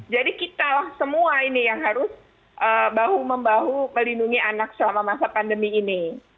jadi kita semua ini yang harus bahu membahu melindungi anak selama masa pandemi ini